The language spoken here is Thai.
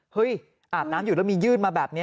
อาบน้ำอยู่แล้วมียื่นมาแบบนี้